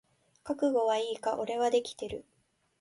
覚悟はいいか？俺はできてる。